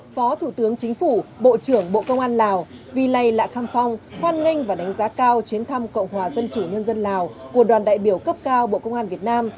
phó thủ tướng chính phủ bộ trưởng bộ công an lào vi lây lạ kham phong hoan nganh và đánh giá cao chuyến thăm cộng hòa dân chủ nhân dân lào của đoàn đại biểu cấp cao bộ công an việt nam